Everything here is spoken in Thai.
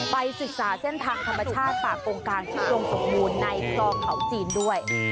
ไปศึกษาเส้นทางธรรมชาติป่ากงกลางที่อุดมสมบูรณ์ในคลองเขาจีนด้วย